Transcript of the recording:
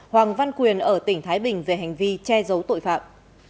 hoàng văn quyền ở tỉnh thái bình về hành vi che giấu tội phạm